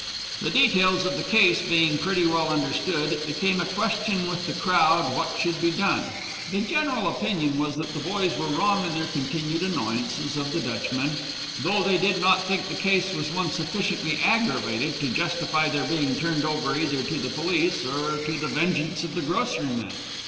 "The details of the case being pretty well understood, it became a question with the crowd what should be done. The general opinion was that the boys were wrong in their continued annoyances of the Dutchman, though they did not think the case was one sufficiently aggravated to justify their being turned over either to the police or to the vengeance of the grocery man.